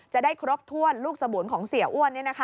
จะได้ครบถ้วนลูกสบูรของเสียอ้วน